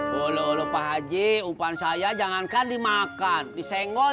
boleh lupa haji upan saya jangankan dimakan disenggol